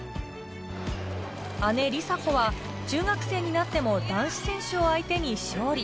姉・梨紗子は中学生になっても男子選手を相手に勝利。